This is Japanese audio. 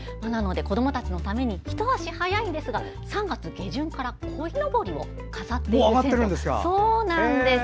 なので子どもたちのためにひと足早いんですが３月下旬からこいのぼりを飾っているんです。